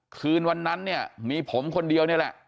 คืนวันนั้นเนี่ยมีผมคนเดียวนี่แหละ